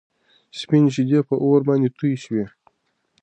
سپينې شيدې په اور باندې توی شوې.